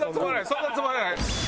そんなつもりはない。